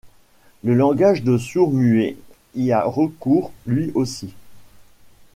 Le langage de sourds-muets y a recours lui aussi.